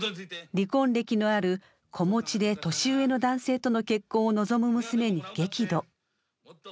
離婚歴のある子持ちで年上の男性との結婚を望む娘に激怒。